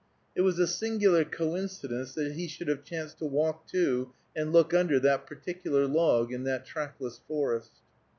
It was a singular coincidence that he should have chanced to walk to and look under that particular log, in that trackless forest.